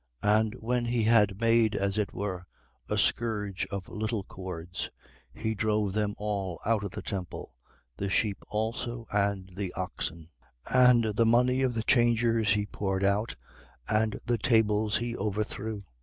2:15. And when he had made, as it were, a scourge of little cords, he drove them all out of the temple, the sheep also and the oxen: and the money of the changers he poured out, and the tables he overthrew.